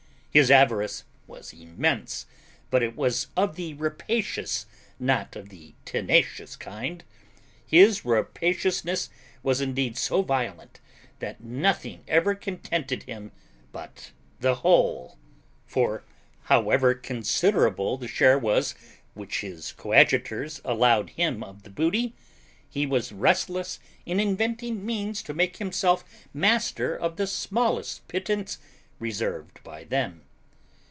His avarice was immense, but it was of the rapacious, not of the tenacious kind; his rapaciousness was indeed so violent, that nothing ever contented him but the whole; for, however considerable the share was which his coadjutors allowed him of a booty, he was restless in inventing means to make himself master of the smallest pittance reserved by them.